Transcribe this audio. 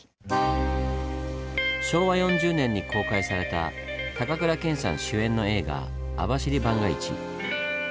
昭和４０年に公開された高倉健さん主演の映画「網走番外地」。